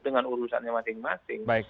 dengan urusannya masing masing